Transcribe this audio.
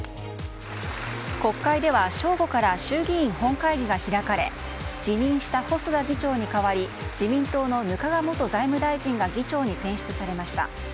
国会では正午から衆議院本会議が開かれ辞任した細田議長に代わり自民党の額賀元財務大臣が議長に選出されました。